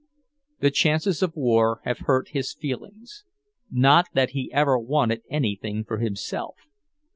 The chances of war have hurt his feelings... not that he ever wanted anything for himself.